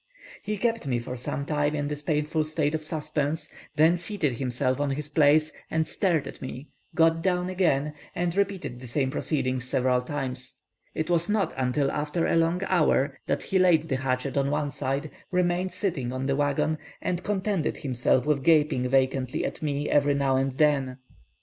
He kept me for some time in this painful state of suspense, then seated himself on his place and stared at me, got down again, and repeated the same proceedings several times. It was not until after a long hour that he laid the hatchet on one side, remained sitting on the waggon, and contented himself with gaping vacantly at me every now and then.